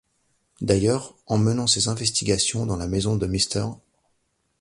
D'ailleurs, en menant ses investigations dans la maison de Mr.